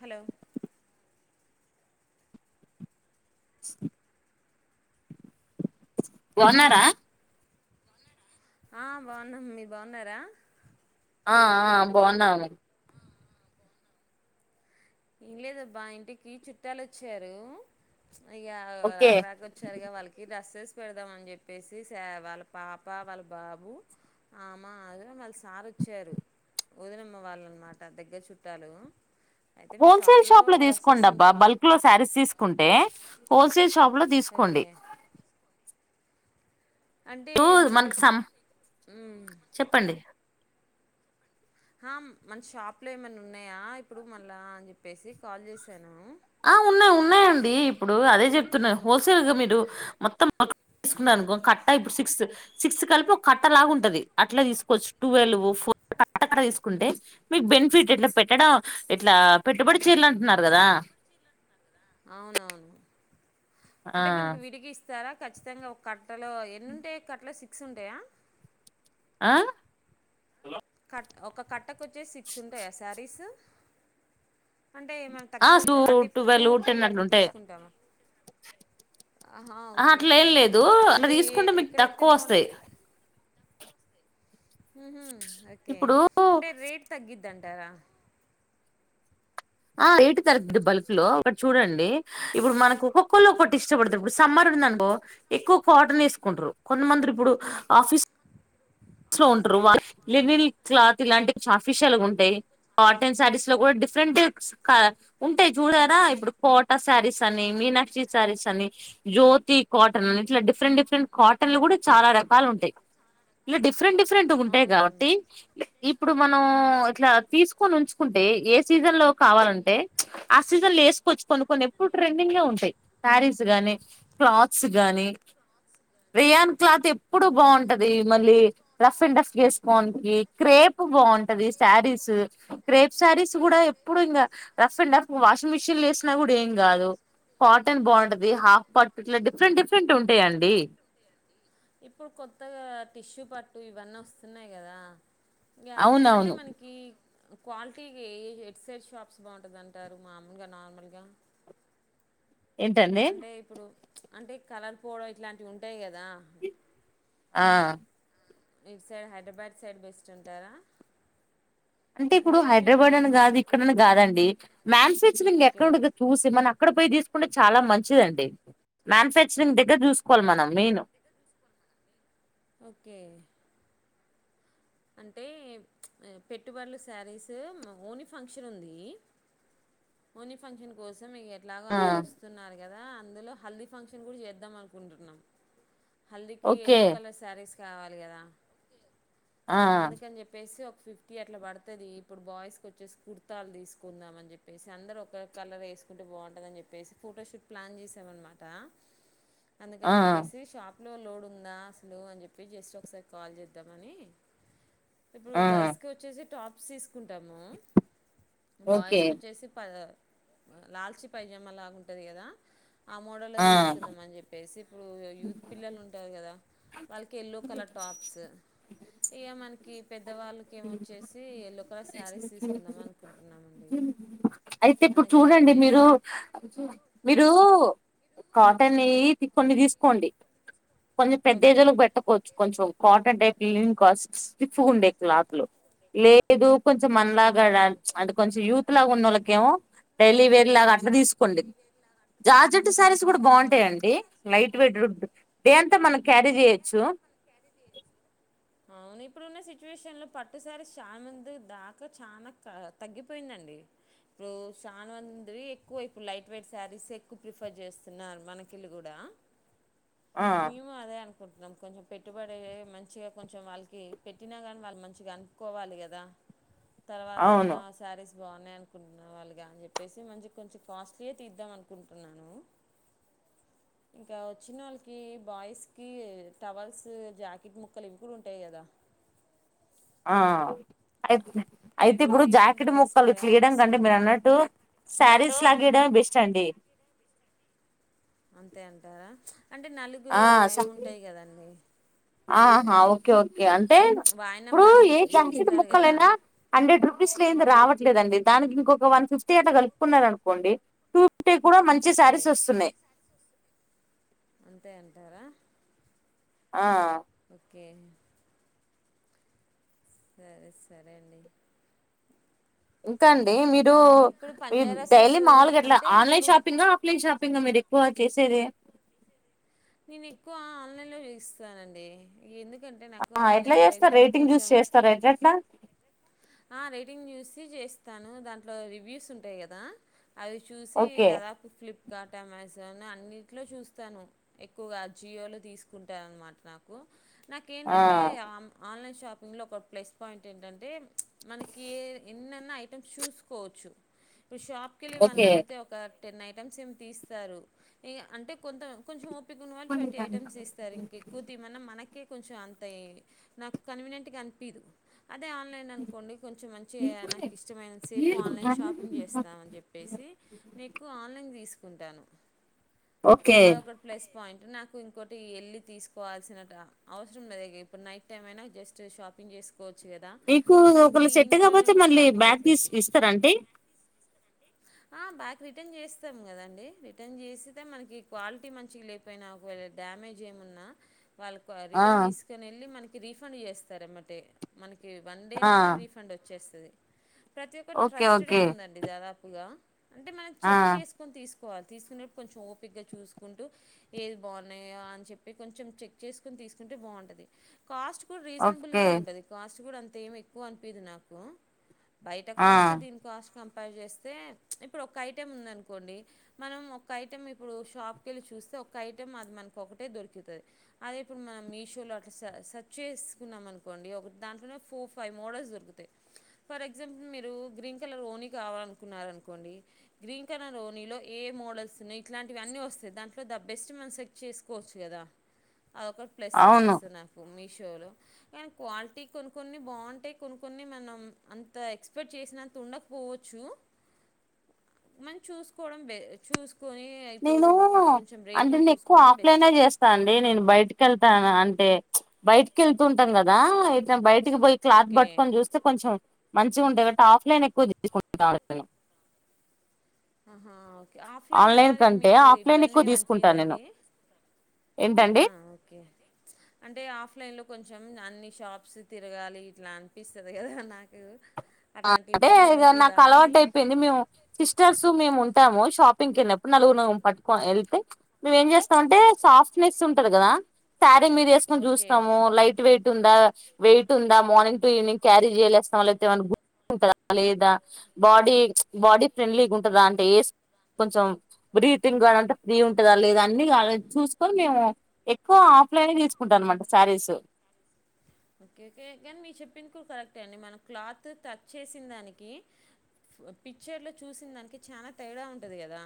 Hello hello బాన్నారా ఆ బాన్నాం మీరు బాన్నారా ఆ ఆ బాన్నాము ఏం లేదబ్బా ఇంటికి చుట్టాలు వచ్చారు ఇక ఓకే రాకరాక వచ్చారు ఇ వాళ్ళకి డ్రస్సెస్ పెడదాం అని చెప్పేసి వాళ్ళ పాప వాళ్ళ బాబు అమ ఆ వాళ్ళ సార్ వచ్చారు వదినమ్మ వాళ్ళ అనమాట దగ్గర చుట్టాలు అయితే మీ హోల్సేల్ షాప్లో షాప్ లో డ్రెస్సెస్ తీసుకొండబ్బా ఉంటా బల్క్ లో శారీస్ తీసుకుంటే హల్సల్షాప్ లో తీసుకోండి ఓకే అంటే ఇప్పుడు మనకి సం ఉమ్మ్ చెప్పండి ఆ మన షాప్ లో ఏమైన్నా ఉన్నాయా ఇప్పుడు మళ్ళా అని చెప్పేసి కాల్ చేసాను ఆ ఉన్నాయి ఉన్నాయండి ఇప్పుడు అదే చెప్తున్నా హోల్సేల్గా మీరు మొత్తం [unintelligible] తీసుకునుకో కట్ట ఇప్పుడు సిక్స్ సిక్స్ కలిపి ఒక కట్ట లాగా ఉంటది అట్లా తీసుకోవచ్చు ట్వెల్వ్ ఫోర్ కట్ట కట్ట తీసుకుంటే మీకు బెనిఫిట్ ఇట్లా పెట్టడం ఇట్లా పెట్టుబడి చీరలు అంటున్నారు కదా అవునవును ఆ అంటే మనకి విడిగి ఇస్తారా ఖచ్చితంగా ఒక కట్ కట్టాలో ఎన్ని ఉంటాయి కాటాలో సిక్స్ సిస్ ఉంటాయా ఆ కట్ట ఒక కట్టకు వచ్చే సిక్స్ ఉంటాయా శారీస్ అంటే మనం ఆ తగ్గు టు అంటే ఇప్పుడు టూ ట్వెల్వ్ త్రీ టెన్ అట్లా అట్లుంటాయి తీసుకుంటామ హ ఆహా ఓకే అట్లా ఓకే ఏం లేదు అట్లా అంటే తీసుకుంటే మీకు ఎక్కడైతే తక్కువ వస్తాయి బాగుంటే హహ ఓకే ఇప్పుడు అంటే రేట్ తగ్గిద్ద తరా ఆ ఏటు తరుగది బల్క్ లో అట్టు చూడండి ఇప్పుడు మనకు ఒక్కొక్కళ్ళ ఒటి ఇష్టపడుతురు ఇప్పుడు సమ్మర్ ఉంది అనుకో ఎక్కువ కాటన్ వేసుకుంటారు కొంతమందిలు ఇప్పుడు ఆఫీస్ స్ లో ఉంటారు వాళ్ళకి లినిన్ క్లాత్ ఇలాంటివి అఫిషియల్ గా ఉంటాయి కాటన్ శారీస్ లో కూడా డిఫరెంట్ ఉంటాయి చూడారా ఇప్పుడు కోటా శారీస్ అని మీనాక్షి శారీస్ అని జ్యోతి కాటన్ అని ఇట్లా డిఫరెంట్ డిఫరెంట్ కాటన్లు కూడా చాలా రకాలు ఉంటాయి ఇ డిఫెంట్ [unintelligible] ఉంటాయి అవునవును కాబట్టి ఇప్పుడు మనం ఇట్లా తీసుకొని ఉంచుకుంటే సీజన్ లో కావాలంటే ఆ సీజన్ లో వేసుకోవచ్చు కొన్ని కొన్ని ఎప్పుడు ట్రెండింగ్ ఉంటాయి శారీస్ గాని క్లాత్స్ గాని రియాన్ క్లాత్ ఎప్పుడు బాగుంటది మళ్ళీ రఫ్ అండ్ అఫ్ వేసుకోవడానికి క్రేప్ బాగుంటది శారీస్ క్రేప్ శారీస్ కూడా ఎప్పుడు ఇంకా rough and of washing machine వేసినా కూడా ఏం కాదు కాటన్ బాగుంటది హాఫ్ పర్టికులర్ డిఫరెంట్ డిఫరెంట్ ఉంటాయిండి ఇప్పుడు కొత్తగా టిష్యూ పట్టు ఇవన్నీ వస్తున్నాయి కదా ఇంకా అంటే అవునవును మనకి క్వాలిటీకి ఏ హెడ్ సైడ్ షాప్స్ బాగుంటుంది అంటారు మామూలుగా నార్మల్గా ఏంటండి అంటే ఇప్పుడు అంటే కలర్ పోవడం ఇట్లాంటివి ఉంటాయి కదా ఆ ఈ సైడ్ హైదరాబాద్ సైడ్ బెస్ట్ ఉంటారా అంటే ఇప్పుడు మేము హైదరాబాద్ అని అయి- కాదు ఇక్కడని కాదండి మ్యానుఫ్యాక్చరింగ్ ఓకే ఎక్కడ చూసి మన అక్కడ పోయి తీ కుంటే చాలా మంచిదండి మ్యానుఫ్యాక్చరింగ్ దగ్గర చూసుకోవాలి మనం మెయిన్ ఓకే అంటే పెట్టుబడులు శారీస్ ఓనీ ఫంక్షన్ ఉంది ఓనీ ఫంక్షన్ కోసం ఇగ ఇలాగో ఆ అందరొస్తున్నారు కదా అందులో హల్దీ ఫంక్షన్ కుడ్ చేద్దామనుకుంటున్నాం హల్దీకి ఓకే ఎల్లో కలర్ స్యారీస్ కావాలి కదా ఆ అందుకన్ చెప్పేసి ఒక్ ఫిఫ్టీ అట్ల పడ్తది ఇప్పుడు బాయ్స్ కొచ్చేసి కుర్తాల్ దీసుకుందాం అన్ చెప్పేసి అందరొక కలర్ ఏస్కుంటే బాంటదన్ చెప్పేసి ఫోటోషూట్ ప్లాన్ చేసామన్మాట. ఆ అందుకన్ చెప్పేసి షాప్ లో లోడుందా అసలు అన్ జెప్పేస్ జస్ట్ ఒకసారి కాల్ చేద్దామని ఇప్పుడు ఆ గర్ల్స్ కి వొచ్చేసి టాప్ సీస్కుంటాము ఓకే బాయ్స్ కొచ్చేసి పద లాల్చి పైజామా లాగుంటది కదా ఆ మోడల్లో దీస్కుందాం అన్ జెప్పేసి ఇప్పుడు ఒయో యూత్ పిల్లలుంటారు కదా వాల్కి ఎల్లో కలర్ టాప్సు ఇయ మన్కి పెద్దవాల్ కేమో వొచ్చేసి ఎల్లో కలర్ శారీస్ తీసుకుందాం అనుకుంటున్నామండి ఐతే ఇప్పుడు అందుకని చూడండి మిరు చెప్పేసి మిరూ కాటన్ ఈ కొన్ని తీస్కోండి కొంచెం పెద్ద ఓకే ఎజోలకు పెట్టకోచ్చు కొంచెం కాటన్ టైప్ హీలింగ్ కాస్ స్టిఫ్ఫుగుండే క్లాత్ లో లేదు కొంచెం మన్లాగాడా అవును అంటే కొంచం యూత్ [inaudible] లాగున్నోళ్ళకేమో డైలీ వేర్ లాగ అట్ల తీసుకోండి జార్జెట్ శారీస్ సు గుడ బాంటయండి లైట్ వెయిటెడ్ డే అంత్ అంటె మనం క్యారీ జెయొచ్చు అవును ఇప్పుడున్న సిచ్యువేషన్లో పట్టు శారీస్ షాన్ మంది దాకా చానా అ తగ్గిపోయిందండి రో షాన్ మంది ఎక్కువ ఇప్పుడు లైట్ వెయిట్ శారీసే ఎక్కువ ప్రిఫర్ చేస్తున్నారు మనకిళ్ళు గూడా ఆ మేము అదే అనుకుంటున్నాం కొంచెం పెట్టుబడే మంచిగ కొంచెం వాల్కి పెట్టినా గాని వాళ్ళు మంచిగా అన్పుగోవాలి గదా తర్వాతైనా అవును శారీస్ బాన్నాయ్ అనుకుంటున్నా వాళ్ళుగా అన్ చెప్పేసి మంచిగ్ కొంచెం కాస్ట్లీయే తీద్దాం అనుకుంటున్నాను ఇంకా వచ్చినోళ్ళకి బాయ్స్ కి టవల్స్ జాకెట్ ముక్ ఇంక లింకులుంటాయి కదా ఆ ఐతే అవి అయితే కూడా ఇప్పుడు తీసుకుంటే జాకిటు బెస్ట్ ముక్కలు కదా చీయడం కంటే అనిపిస్తుంది మీరన్నట్టు అటు శారీస్ లాగీయడమే బెస్ట్ అండి. అంతే అంటారా అంటే నలుగు ఆ టైం ఉంటాయి కదండి ఆహా ఓకే ఓక్ ఇయ అంటే వాయనం ఇప్పుడు లాగా ఏ ప్యాంకెటు ఇస్తారు కదా ముక్కలైనా హండ్రెడ్ రూపీస్ లేందే రావట్లేదండి దాని కింకొక ఒక వన్ ఫిఫ్టీ అట్ల కలుపుకున్నారనుకోండి టూ అంటే కూడా మంచి ఓకే శారీస్ వొస్తున్నాయ్ అంతే అంటారా ఆ ఓకే సరే సరే అండి ఇంకా అండ్ డే మీరు ఇప్పుడు మీర్ పంజారాసెస్ డైలీ మాములుగట్ల అంటే ఆన్లైన్ ఇప్పుడు షాపింగా ఆఫ్లైన్ షాప్ పింగ మీరెక్కువ చేసేదే నేనెక్కువ ఆన్లైన్ లో వేయిస్తానండి ఇగెందుక్ ఆ ఎట్ల జేస్తార్ రేటింగ్ జూసి చేస్తారా ఎట్లెట్లా ఆ రేటింగ్ జూసి చేస్తాను దాంట్లో రివ్యూస్ ఉంటయి కదా అవి చూసి ఓకే దాదాపు ఫ్లిప్కార్ట్ అమేజ్ [unintelligible] అన్నిట్లో చూస్తాను ఎక్కువగా అజియోలో తీసుకుంటానన్మాట నాకు ఆ నాకేంటంటే ఆమ్ ఆన్లైన్ షాప్ ఇంగ్లో ఒక ప్లస్ పాయింట్ ఏంటంటే ఉన్న ఐటమ్స్ చూసుకోవచ్చు ఉ షాప్కెళ్ళి వాల్న్ ఓకే అడుగుతే ఒక టెన్ ఐటమ్స్ ఏమి తీస్తారు ఇగ అంటే కొంత కొంచెం ఓప్ పీకున్నవాళ్ళు ట్వంటీ ఐటమ్స్ తీస్తారు ఇంకెక్కువతీమన్న మనకే కొంచెం అంత యే నాకు కన్వినెంటు గా అన్పీదు అదే ఆన్లైన్ కొన్ని కొంచెం మంచిఇయ నాకిష్టమైనంత సేపు ఆన్లైన్ షాపింగ్ చేస్తామన్ జెప్పేసి నీకు ఆన్లైన్ తీస్ ఉంటాను ఓకే అదొకట్ ప్లస్ పాయింటు నాకు ఇంకోటి ఎల్లితీసుకోవాల్సిన ట అవసరం లేదిగ ఇప్పుడు నైట్ టైమ్ అయినా జస్ట్ షాపింగ్ జేస్ కోచ్చు గదా ఒకలికి సెట్టు కాపోతే మళ్ళీ బ్యాక్ దీస్ ఇస్తరా అంటే ఆ బ్యాక్ రిటర్న్ చేస్తాం కదండి రిటర్న్ చేసితే మనకి క్వాలిటీ మంచిగ లేపోయినా ఒకవేళ డ్యామేజ్ ఏమున్నా వాళ్ళకు ఆ రిటర్న్ తీసుకొని వెళ్ళి మనకి రిఫ్ ఫండ్ చేస్తారెమ్మటే మనకి వన్ ఈ ఆ నెల రీఫండ్ వచ్చేస్తది ప్రతి ఓకే ఒకట్రస్ట్ డే ఓకే ఉందండి దాదాప్ ఇగా అంటే మనం ఆ చెక్ చేసుకొని తీసు కోవాలి తీసుకొనేప్పుడు కొంచెం ఓపిక గా చూసుకుంటూ ఏది బావున్నాయా అని చెప్పి కొంచెం చెక్ చేసుకొని తీసుకుంటే బావుంటుంది కాస్ట్ కూడా రీజనబుల్ ఓకే గా ఉంటది కాస్ట్ కూడా అంత్ తెేమి క్కువ అనిపీదు నాకు బయట ఆ కాస్ట్ దీని కాస్ట్ కమ్ కంపేర్ చేస్తే ఇపుడు ఒక ఐటమ్ ఉందనుకోండి మనం ఒక ఐటమ్ ఇపుడు షాప్ కెళ్ళి చూస్తే ఒక ఐటమ్ మాత్రం ఒకటే దొరుకుతది. అది ఇపుడు మీషో లో అట్ల స సర్చ్ చేసుకున్నాం అనుకోండి ఒక ఫోర్ ఫై ఫైవ్ మోడల్స్ దొరుకుతాయి ఫర్ ఎగ్జాంపుల్ మీరు గ్రీన్ కలర్ ఓనీ కావాలనుకున్నారనుకోండి గ్రీన్ కలర్ ఓనీలో ఏ మోడల్స్న్నాయి ఇట్లాంటివి అన్నీ వస్తాయి దాంట్లో ద బెస్ట్ మనం సెక్ట్ చేసుకోవచ్చు కదా అదొ ఒకటి ప్లస్ అవును అనిపిస్తుంది నాకు మీష్ క్వాలిటీ కొన్ని కొన్ని బావుంటే కొన్ని కొన్ని మనం అంతా ఎక్స్పెక్ట్ చేసినంత ఉండకపోవచ్చు మనం చూసుకోవడం వే చూస్ నేను అంటే నేను ఎక్కువ చూసుకోవడం ఆఫ్లైన్ బెస్ట్ చేస్తాను అండి నేను బయటికి వెళ్తాను అ టె బయటికి వెళ్తూ ఉంటాం కదా ఏ బయట టికి పోయి క్లాత్ ఓకే పట్టుకొని చూస్తే కొంచెం మంచిగుంటై గ ఆఫ్లైన్ ఎక్కువ తీచ్చుకుంటుంది ఆ ఆహాఓ ఆఫ్లైన్లో మరి మీకు ఆఫ్లైన్ ఇబ్బంది ఎక్కువ తీసుకుంటా నేను ఏనిపదండి ఏంటండి ఆహా ఓకే అంటే ఆఫ్లైన్ లో కొంచెెం అన్ని షాప్స్ తిరగాలి ఇట్లా అనిపిస్తుది కదా నాకు అట్లాంటి అదే ఇబ్బంది ఇగ నాకు ఏమనిపిదా అలవాటు అని అయిపోయింది మేము సిస్టర్స్ మేము ఉం టాము షాపింగ్కిిన్నినప్పుడు నలుగురు నలుగురు పట్టుకని వెళ్తే మేమేం చేస్తామంటే సాఫ్నెస్ ఉంట్ టడు కదా తా టె మీరేసుకొని ఓకే చూస్తాము లైట్ వెయిట్ టుంద వెయిట్ ఉందా మార్నింగ్ టు ఈవినింగ్ క్యారీ చేయలేస్తాం వాళ్లతే మన టదా లేదా బాడీ బాడీ ఫ్రెండ్లీగుంటదా అంటే ఏస్ కొంచం బ్రీతింగ్ కా ఫ్రీ ఉంటుందా లేదా అన్ని చూసుకొని మేము ఎక్కువ ఆఫ్లైన్ తీసుకుంటామనమాట శారీస్ ఓకే ఓకే కానీ మీ చెప్పిన కూడా కరెక్ట్ అండి మనం క్లాత్ టచ్ చేసిన దానికి పిక్చర్ లో చూసిన దానికి చాలా తేడా ఉంటది కదా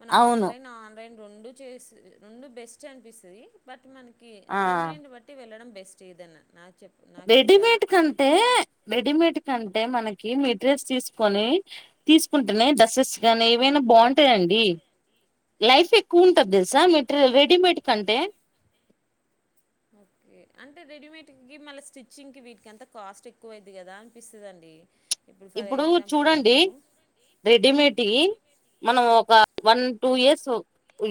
మన అవును ఆఫ్లైన్ ఆన్లైన్ రెండు చే రెండు బెస్ట్ అనిపిస్తుంది బట్ మనకి ఆ కన్వినెంట్ బట్టి వెళ్ళడం బెస్ట్ ఏదన్న రెడిమేడ్ కంతే రెడిమేడ్ కంటే మనకి మెట్రియల్స్ తీసుకొని తీసుకుంటేనే డ్రస్సెస్ గానీ ఏవైనా బావుంటాంయండి లైఫ్ ఎక్కువ ఉంటది తెలుసా మెట్రియల్ రెడీమేడ్ కంటే ఓకే అంటే రెడీమేడ్ కి మళ్ళ స్టిచ్చింగ్ కి వీటికి అంతా కాస్ట్ ఎక్కువైద్ది కదా అనిపిస్తదండి ఇప్పుడు చూడండి రెడీమేడ్ కి మనం ఒక వన్ టూ ఇయర్స్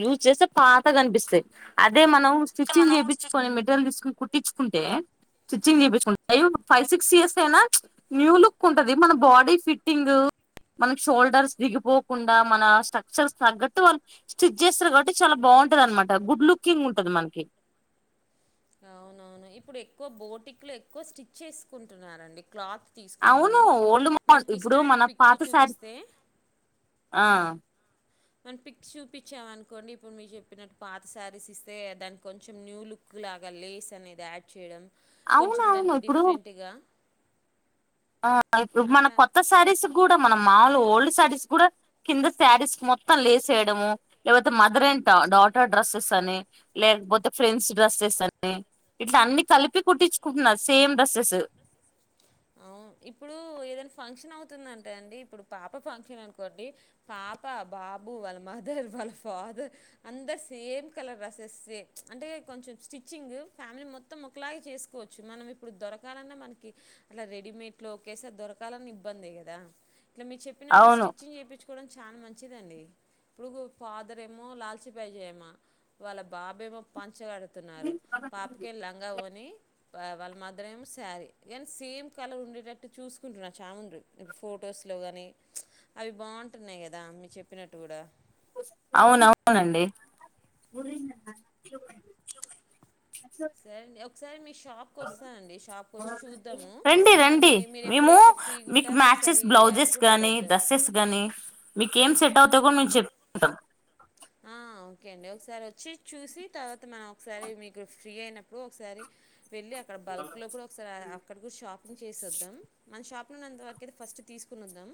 యూజ్ చేస్తే పాతగనిపిస్తాయి అదే మనం స్టిచ్చింగ్ మనం చేపిచ్చుకొని మెటీరియల్ తీసుకు కుట్టిచ్చుకుంటే స్టిచ్చింగ్ చేపిచ్చుకుంటే ఫైవ్ సిక్స్ ఇయర్స్ అయినా న్యూ లుక్ ఉ టది మన బాడీ ఫిట్టింగ్ మన షోల్డర్స్ దిగిపోకుండా మన స్ట్రక్చర్స్ తగ్గట్టు వాళ్ళు స్టిచ్ చేస్తారు కాబట్టి చాలా బాగుంటది అనమాట గుడ్ లుకింగ్ ఉంటది మనకి అవునవును ఇప్పుడు ఎక్కువ బోటిక్లు ఎక్కువ స్టిచ్ చేసుకుంటున్నారండి క్లాత్ తీసుకొని అవును వెళ్ళి ఓల్డ్ మా మనకి ఇప్పుడు ఇష్టమైన మన పిక్ పాత శారి చూపిస్తే ఆ మన పిక్ చూపిచ్చాం అనుకోండి ఇప్పుడు మీరు చెప్పినట్టు పాత శారీస్ ఇస్తే దానికి కొంచెం న్యూ లుక్ లాగా లేస్ అనేది యాడ్ చేయడం అవును కొంచెం అవును దానికి ఇప్పుడు డిఫ్రెంట్గా ఆ ఇప్పుడు మన కొత్త శారీస్ కూడా మనం మావూలు గోల్డ్ శారీస్ కూడా కింద శారీస్ కు మొత్తం లేస్ ఏయడము లేకపోతే మదర్ అండ్ డాటర్ డ్రెస్సెస్ అని లేకపోతే ఫ్రెండ్స్ డ్రెస్సెస్ అని ఇట్లా అన్ని కలిపి కుట్టిచ్చుకుంటున్నారు సేమ్ డ్రస్సెస్ ఔను ఇప్పుడు ఏదైనా ఫంక్షన్ అవుతుందంటే అండి ఇప్పుడు పాప ఫంక్షన్ అనుకోండి పాప బాబు వాళ్ళ మదర్ వాళ్ళ ఫాదర్ అందరు సేమ్ కలర్ డ్రెస్సెసే అంటే కొంచెం స్టిచ్చింగ్ ఫ్యామిలీ మొత్తం ఒకలాగే చేసుకోవచ్చు మనం ఇప్పుడు దొరకాలన్నా మనకి అట్లా రెడీమేడ్ లో ఒకేసరి దొరకాలన్నా ఇబ్బంది కదా ఇట్లా మీరు చెప్పినట్టు అవును స్టిచ్చింగ్ చేపిచ్చుకోవడం చానా మంచిదండి ఇప్పుడు ఫాదర్ ఏమో లాల్చి పైజయమ వాళ్ళ బాబేమో ప పంచగడుతున్నారు పాపకే లంగా ఓని వాళ్ళ మదరేమో శారీ ఎ సేమ్ కలర్ ఉండేటట్టు చూసుకుంటున్నా చాముండ్రు ఇడు ఫొటోస్లో కానీ అవి బావుంటున్నాయి కదా మీరు చెప్పినట్టు కూడా అవునవునండి సరేండి ఒకసారి మీషు రండి మరి రండి మీరు మేము ఎప్పుడైతే ఫ్రీగా మీకు ఉంటారో మ్యాచెస్ ఒకసారి అటు బ్లౌజెస్ కూడా కానీ వెళ్ళొద్దాం డ్రెస్సెస్ గానీ మీకేం సెట్ అవుతా కూడా మేము చెప్పుకుంటాం ఆ ఓకే అండి ఒకసారొచ్చి చూసి తర్వాత మనం ఒకసారి మీకు ఫ్రీ అయినప్పుడు ఒకసారి వెళ్ళి అక్కడ బల్క్ లో కూడా ఒకసారి అక్కడ కూడా షాపింగ్ చేసొద్దాం మన షాప్ నున్నంతవరకైతే ఫస్ట్ తీసుకునొద్దాం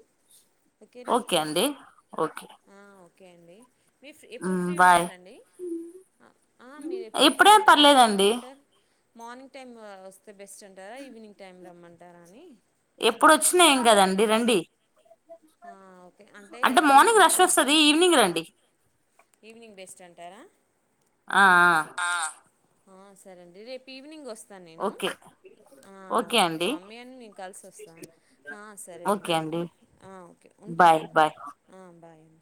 ఓకే అండి ఓకే ఆ ఓకే అండి మీరు ఎప్పుడు ఫ్రీ బాయ్ ఉంటారండి ఆ మీరెప్పుడు ఫ్రీ ఎప్పుడేం ఉంటారు ఎప్పుడు పర్లేదండి రమ్మంటారు మార్నింగ్ టైమ్ వస్ తే బెస్ట్ అంటారా ఈవినింగ్ టైం రమ్మంటారా అని డి రండి ఆ, ఓకే అంటే ఎర్లీ మార్నింగ్ రష్ కొంచెం వస్తది ఈవినింగ్ రండి ఈవినింగ్ బెస్ట్ అంటారా ఆ ఆ ఆ సరేండి రేపు ఈవినింగ్ వస్ స్తాను నేను ఓకే ఆ ఓకే అండి మమ్మీ అని నేను కలిసి వస్తాను ఆ సరే అండి మరి ఆ ఓకే బాయ్ ఉంటానండి బాయ్ ఆ బాయ్ అండి